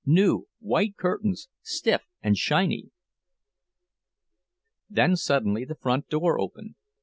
New, white curtains, stiff and shiny! Then suddenly the front door opened.